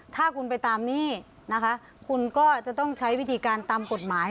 ถ้าคุณไปตามหนี้นะคะคุณก็จะต้องใช้วิธีการตามกฎหมาย